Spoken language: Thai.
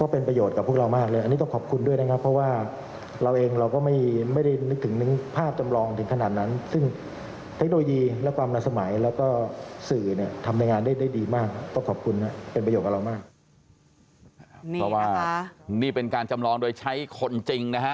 เพราะว่านี่เป็นการจำลองโดยใช้คนจริงนะฮะ